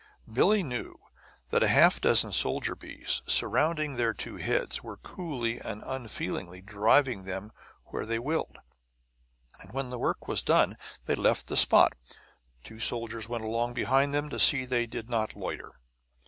Billie knew that a half dozen soldier bees, surrounding their two heads, were coolly and unfeelingly driving them where they willed. And when, the work done, they left the spot, two soldiers went along behind them to see that they did not loiter.